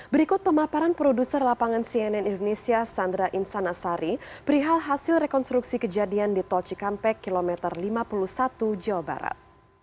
berikut pemaparan produser lapangan cnn indonesia sandra insanasari perihal hasil rekonstruksi kejadian di tol cikampek kilometer lima puluh satu jawa barat